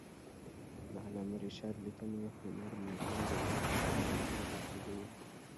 د علامه رشاد لیکنی هنر مهم دی ځکه چې لغتونه تعقیبوي.